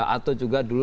atau juga dulu